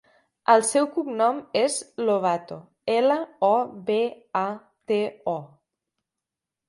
El seu cognom és Lobato: ela, o, be, a, te, o.